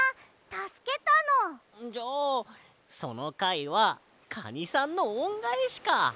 じゃあそのかいはカニさんのおんがえしか。